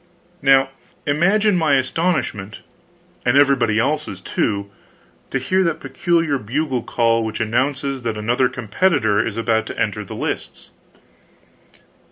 Now imagine my astonishment and everybody else's, too to hear the peculiar bugle call which announces that another competitor is about to enter the lists!